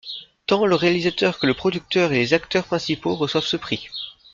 Tant le réalisateur que le producteur et les acteurs principaux reçoivent ce prix.